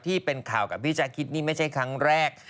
ที่เป็นข่าวกับพี่ชาคิดนี่ไม่ใช่ครั้งแรก